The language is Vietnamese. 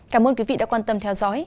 cảm ơn quý vị đã quan tâm theo dõi